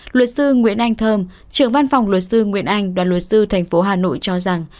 luật sư nguyễn anh thơm trưởng văn phòng luật sư nguyễn anh đoàn luật sư thành phố hà nội cho rằng